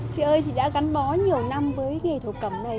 chị ơi chị đã gắn bó nhiều năm với nghề thổ cẩm này